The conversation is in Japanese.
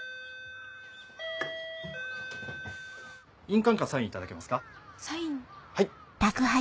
印鑑かサインいただけますか？